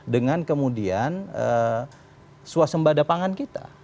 dengan kemudian suasembah depangan kita